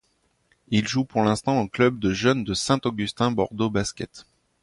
Il joue pour l'instant au club de Jeunes de Saint-Augustin Bordeaux Basket.